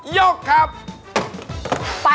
ยกครับ